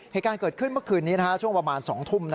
เหตุการณ์เกิดขึ้นเมื่อคืนนี้ช่วงประมาณ๒ทุ่ม